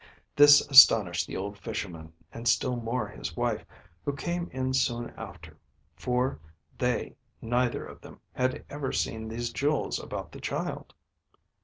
This astonished the old Fisherman, and still more his wife, who came in soon after; for they neither of them had ever seen these jewels about the child.